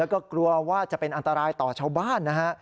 แล้วก็กลัวว่าจะเป็นอันตรายต่อชาวบ้านนะฮะ